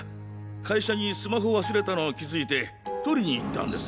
会社にスマホを忘れたのを気付いて取りに行ったんです。